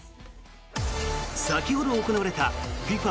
先ほど行われたＦＩＦＡ